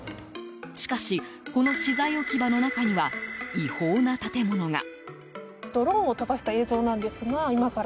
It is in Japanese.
しかし、この資材置き場の中には違法な建物が。